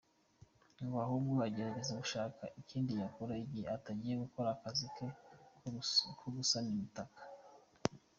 Ngo ahubwo agerageza gushaka ikindi yakora, igihe atagiye gukora akazi ke ko gusana imitaka.